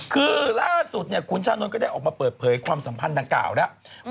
คือล่าสุดคุณชานนท์ก็ได้ออกมาเปิดเผยความสัมพันธ์ดังกล่าวแล้ว